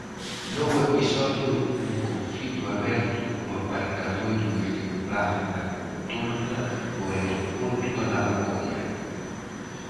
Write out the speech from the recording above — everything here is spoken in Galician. Novo episodio no conflito aberto polo aparcadoiro irregular na contorna do aeroporto da Lavacolla.